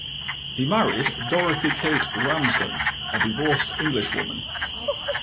He married Dorothy Kate Ramsden, a divorced Englishwoman.